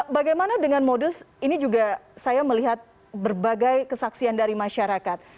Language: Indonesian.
bagaimana dengan modus ini juga saya melihat berbagai kesaksian dari masyarakat